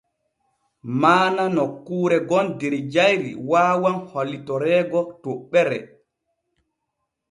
Maana nokkuure gon der jayri waawan hollitoreego toɓɓere.